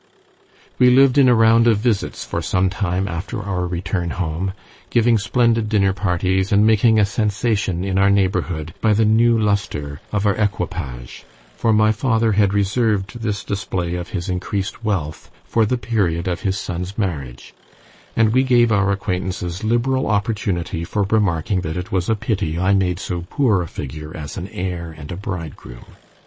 We lived in a round of visits for some time after our return home, giving splendid dinner parties, and making a sensation in our neighbourhood by the new lustre of our equipage, for my father had reserved this display of his increased wealth for the period of his son's marriage; and we gave our acquaintances liberal opportunity for remarking that it was a pity I made so poor a figure as an heir and a bridegroom.